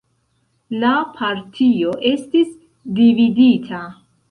La partio estis dividita.